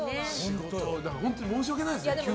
本当に申し訳ないです、急に。